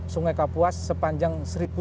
sungai kapuas sepanjang